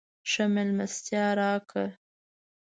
ښه مېلمستیا راکړه.